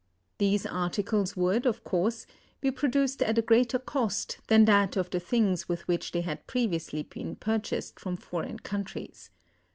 These articles would, of course, be produced at a greater cost than that of the things with which they had previously been purchased from foreign countries.